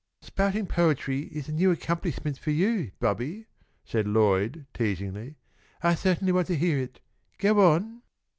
"Spouting poetry is a new accomplishment for you, Bobby," said Lloyd, teasingly. "I certainly want to hear it. Go on."